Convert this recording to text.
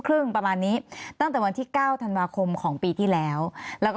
ประมาณนี้ตั้งแต่วันที่เก้าธันวาคมของปีที่แล้วแล้วก็